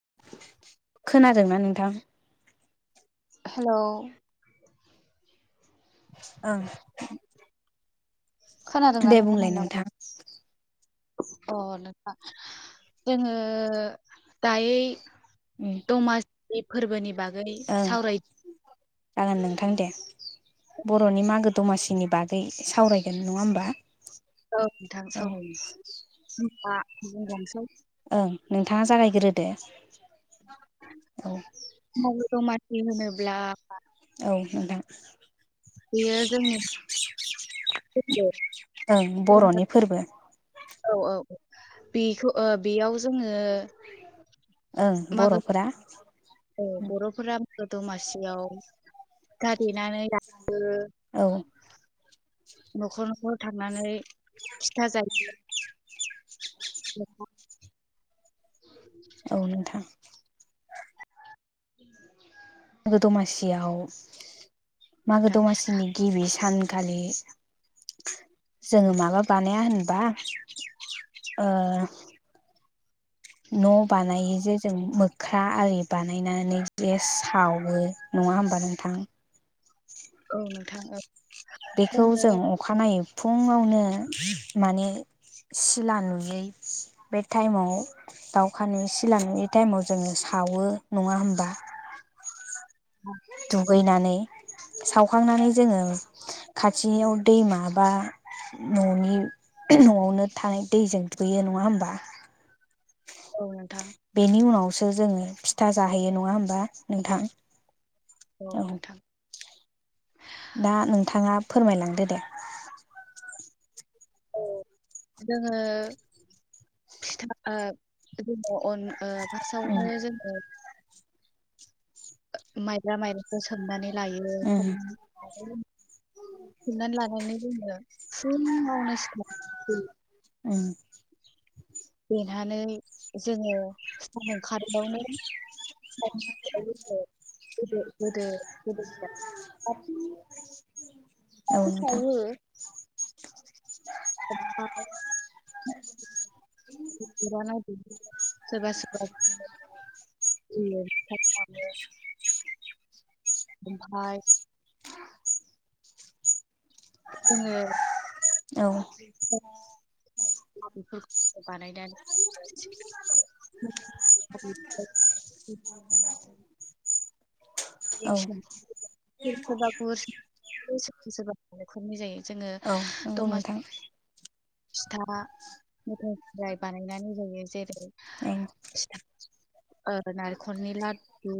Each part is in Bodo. [inaudible] खोनादोंना नोंथां हेल' [inaudible] खोनादोंना दे नों ख बुंलाय नोंथां अ नोंथ जोङो दायोै उम दमासि फोरबोनि बागै सावराय [inaudible] जागोन नोंथां दे बर'नि मागो दमासिनि बागै सावरायगोन नङा होमबा औ नोंथां औ सावराय हबा बुंजांसै ओं नोंथाङा जागायग्रोदे औ म दमासि होनोब्ला औ नोंथां बेयो जोङो अके ओं बर'नि फोरबो औ औ औ बेखौ बेयाव जोङो ओं मागो बर'फोरा औ बर'फोरा दमासियाव गाथनानैो औ न'खर न'खर थांनानै खिथा जायो दा औ नोंथां मागो दमासियाव मागो नोंथां दमासिनि गिबि सानखालि जोङो माबा बानाया होनबा ओ न' बानायो जे जों मोख्रा आलि बानायनानै जे सावो नङा होमबा नोंथां औ नोंथां बेखौ जोङो जों अखानायै फुङावनो माने सिला नुयै बे टाइमाव दाउखानो सिलानिु टाइमाव जोङो सावो नङा होनोमबा दुगैनानै सावखांनानै जोङो खाथियाव दैमा बा न'नि न'आवनो थानाय दैजों दुगैयो नङा होमबा औ नोंथां बेनि उनावसो जोङो फिथा जाहैयो नङा होमबा नोंथां औ नोंथां दा नोंथाङा फोरमायलांदो दे औ जोङो फिथा ओ जोङो अन उम फार्स्टावनो जोङो माइब्रा माइरंखौ सोमनानै लायो स उम सोमनानै लानानै रोङो फुुंङावनो सिखा ओं देनानै जोङो सान ओंखारिआवनो [unintelligible] औ दाबो नोंथां सावो ओमफ्राय [unintelligible] सोरबा सोरबा [unintelligible] ओमफाय जोङो औ औ [unintelligible] बानायनानै औ [unintelligible] खरनि जायो जोङो औ नंगौ दमासि नोंथां फिथा मेथाइनिफ्राय बानायनानै जायो जेरै औ ओ नारेंखलनि लादु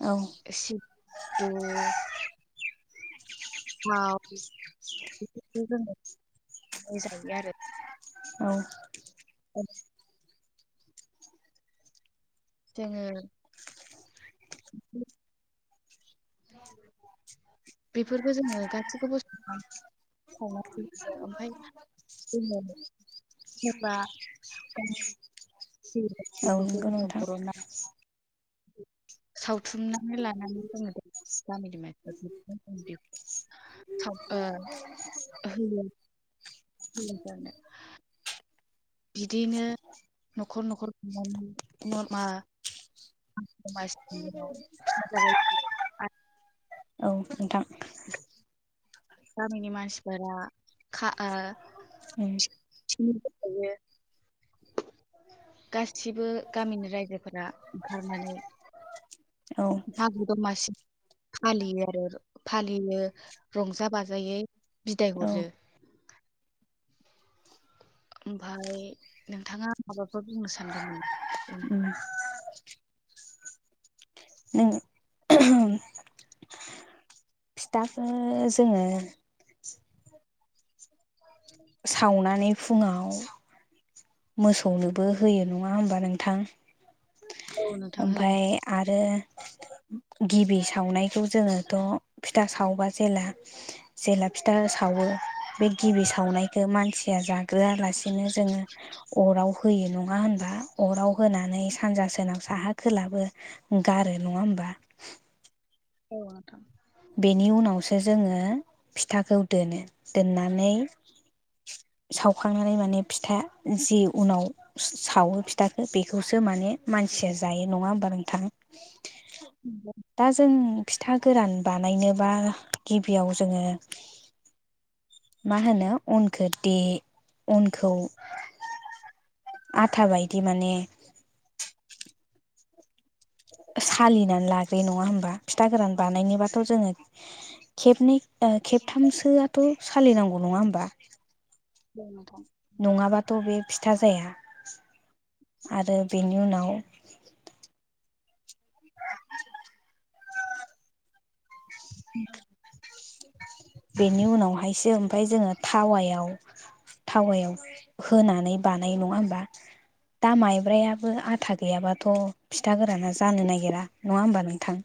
औ सिदु थाव बेफोरखौ जोङो बानायनानै जायो आरो औ औ जोङो बेफोरफोरखौ जोङो गाससिबो बुस्थु जेनबा जेनेबा औ बेफोरखौ नंगौ जोङो नोंथां बर'ना सावथुमनानै लानानै दोङो गामिनि मान [unintelligible] साल ओ होयो होयो‌ जानो बिदिनो न'खर न'खर बिनानै मा दमासिनि‌ उनाव‌ [inaudible] औ नोन्थां गामिनि मानसिफोरा खा ओ उम सिबोखायो। गासिबो गामिनि रायजोफोरा ओंखारनानै औ हा गुगा मासि फालियो आरो फालियो रंजा बाजायै बिदाय औ हरो। ओमफाय नोंथाङा माबाफोर बुंनो सानगोन नामा? उम नों फिथाखो जोङो। सावनानै फुङाव मोसौनोबो होयो नङा होमबा नोंथां। औ नोंथां होयो। ओमफाय आरो। गिबि सावनायखौ जोङोथ' फिथा सावबा जेला। जेला फिथा सावो बे गिबि सावनायखो मानसिया जाग्रोआलासेनो जोङो अराव होयो नङा होनबा अराव होनानै सानजा सोनाब साहा खोलाबो गारो नङा होमबा? औ नोंथां। बेनि उनावसो जोङो फिथाखौ दोनो, दोननानै सावखांनानै माने फिथा जि उनाव सावो फिथाखो बेखौसो माने मानसिया जायो नङा होमबा नोंथां? उम। दा जों फिथा गोरान बानायनोबा गिबियाव जोङो मा होनो अनखो दे अनखौ आथा बायदि माने सालिना लाग्रोयो नङा होमबा फिथा गोरान बानायनोबाथ' जोङो खेबनै ओ खेबथामसोआथ' सालिनांगौ नङा होमबा? औ नोंथां। नङाबाथ' बे फिथा जाया। आरो बेनि उनाव [inaudible] बेनि उनावहायसो ओमफाय जोङो थावायाव थावायाव होनानै बानायो नङा होमबा? दा माइब्रायाबो आथा गैयाबाथ' फिथा गोराना जानो नागिरा नङा होमबा नोंथां?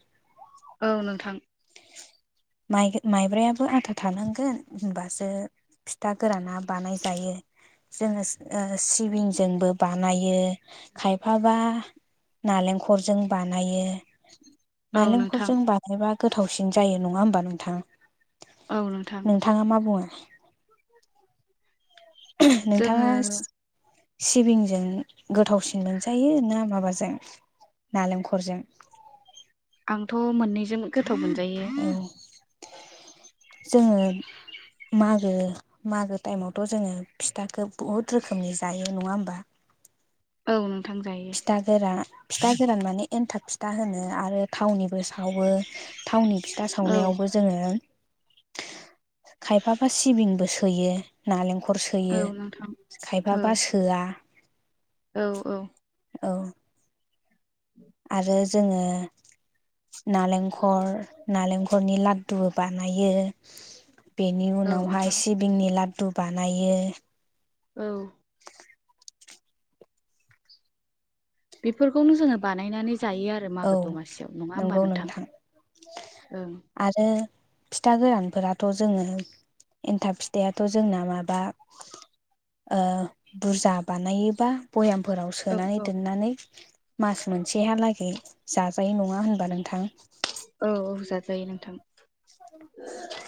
औ नोंथां। माइ माइब्रायाबो आथा थानांगोन होनबासो फिथा गोराना बानाय जायो। जोङो ओ सिबिंजोंबो बानायो, खायफाबा नालेंखरजों बानायो। औ नोंथां नालेंखरजों बानायबा गोथावसिन जायो नङा होमबा नोंथां? औ नोंथां। नोंथाङा मा बुङो? नोंथाङा जोङो सिबिंजों गोथावसिन मोनजायो ना माबाजों नालेंखरजों? आंथ' मोननैजों गोथाव मोनजायो। औ। जोङो मागो मागो टाइमावथ' जोङो फिथाखौ बुहुद रोखोमनि जायो नङा होमबा? औ नोंथां जायो। फिथा गोरा फिथा गोरान माने एन्थाब फिथा होनो आरो थावनिबो सावो। थावनि फिथा औ सावनायावबो जोङो खायफाबा सिबिंबो सोयो। नालेंखर औ सोयो। नोंथां। औ खायफाबा सोआ। औ औ। औ औ आरो जोङो नालेंखर नालेंखरनि लाद्दुबो बानायो बेनि औ उनावहाय नोंथां सिबिंनि लाददु बानायो औ बेफोरखौनो जोङो बानायनानै जायो आरो आरो औ मागो दमासियाव नङा होमबा नोंथां? ओं। आरो फिथा गोरानफोराथ' जोङो एन्थाब फिथायाथ' जोंना माबा ओ बुरजा बानायोबा भयामफोराव औ सोनानै औ दोननानै मास मोनसेहालागै जाजायो नङा होनबा नोंथां? औ औजाजायो नोंथां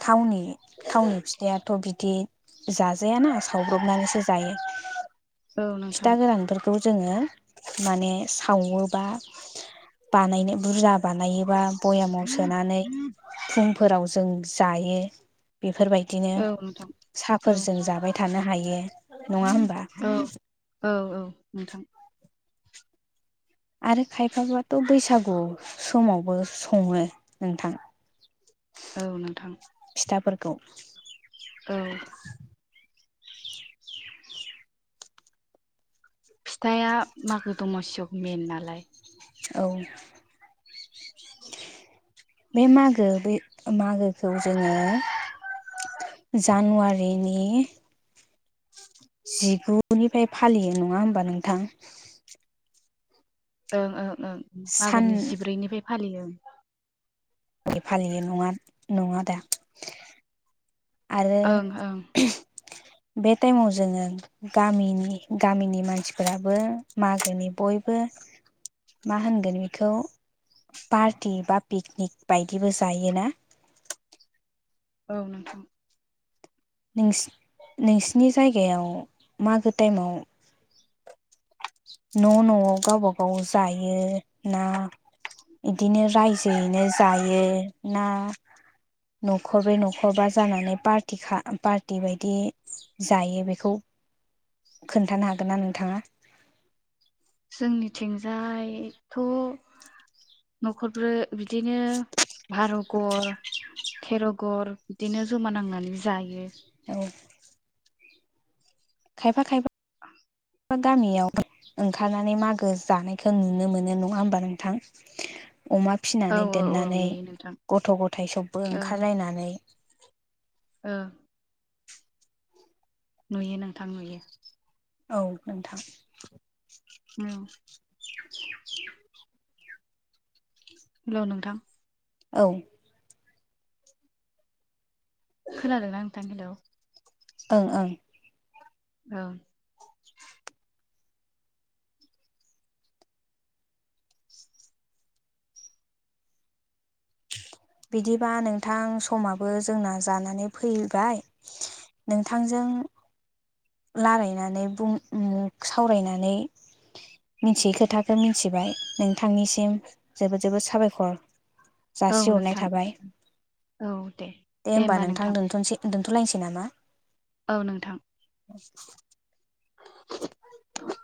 थावनि थावनि फिथाइाथ' बिदि जाजायाना सावब्रबनानैसो जायो औ नोंथां फिथा गोरानफोरखौ खौ जोङो मने सावो बा बानायनो बुरजा बानायो बबा भयामाव सोनानै फुंफोराव जों जायो। बेफोरबायदिनो औ नोंथां औ साहाफोरजों जाबाय थानो हायो नङा हबा औ औ औ नोंथां आरो खायफाबथ' बैसागु समावबो सङो नोंथां औ नोंथां फिथाफोरखौ औ फिथाइा मागो दमासियाव मेेन नालाय औ बे मागो बे मागोखौ जोङो जानुवारिनि जिगुनिफ्राय फालियो नङा होमबा नोंथां? ओं ओं ओं मागोनि साननै जिब्रैनिफ्राय फालियो ओं फलि फालियो नङा नङा दा आरो ओं ओं बे टाइमाव जोङो गामिनि गामिनि मानसिफोराबो मागोनि बयबो मा होनगोन बेखौ पार्टि बा पिकनिक बायदिबो जायोना औ नोंथां नोंस -नोंसिनि जायगायाव मागो टाइमाव न' न'आव गावब गाव जायो ना इदिनो रायजोयैनो जायो ना न'खरबे न'खरबा जानानै पार्टि पार्टि बायदि जायो बेखौ खोन्थानो हागोन ना नोंथाङा? जोंनिथिंजायथ' न'खरफोर बिदि बिदिनो भारुगर थेर'गर बिदिनो जमा नांनानै जायो। औ खायफा खायफा औ गामियाव ओंखारनानै मागो जानायखौ नुनो मोनो नङा होमबा नोंथां अमा औ फिनानै औ औ दोननानै नुयो नोंथां गथ' गथायाइ सबबो ओंखारलायनानै ओ नुयो नोंथां नुयो। औ नोंथां औ [inaudible] हेल' नोंथां औ खोनादोंना नोंथां हेलौ ओं ओं औ बिदिबा नोंथां समाबो जोंना जानानै फैबाय नोंथांजों रलायनानै बुं मुं सावरायनानै मिथियै खोथाखौ मिथिबाय नोंथांनिसिम जोबोद जोबोद साबायखर। औ जासिहरनाय नोंथां थाबाय दे होमबा नोंथां दोनथ'सै दोन्थ'लायनोसै नामा? औ नोंथां [unintelligible]